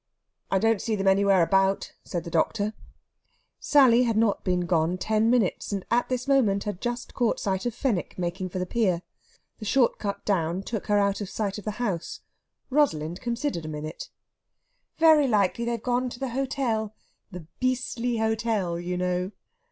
"I don't see them anywhere about," said the doctor. Sally had not been gone ten minutes, and at this moment had just caught sight of Fenwick making for the pier. The short cut down took her out of sight of the house. Rosalind considered a minute. "Very likely they've gone to the hotel the 'beastly hotel,' you know."